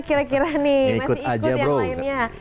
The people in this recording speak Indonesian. kira kira nih masih ikut yang lainnya